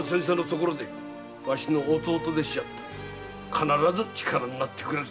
必ず力になってくれる。